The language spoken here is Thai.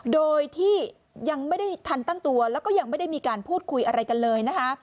โดยที่ยังไม่ได้ทันตั้งตัวแล้วก็ยังไม่ได้มีการพูดคุยอะไรกันเลยนะคะ